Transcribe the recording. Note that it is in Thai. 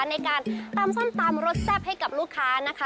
ในการตำส้มตำรสแซ่บให้กับลูกค้านะคะ